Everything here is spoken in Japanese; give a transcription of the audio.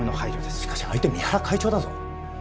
しかし相手三原会長だぞ。